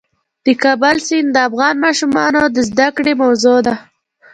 د کابل سیند د افغان ماشومانو د زده کړې موضوع ده.